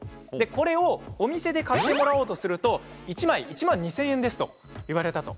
これをお店で買ってもらおうとすると１枚、１万２０００円ですと言われたと。